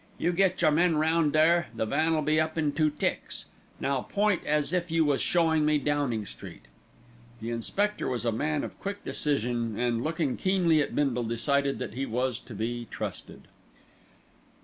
You get your men round there, the van'll be up in two ticks. Now point as if you was showing me Downing Street." The inspector was a man of quick decision and, looking keenly at Bindle, decided that he was to be trusted.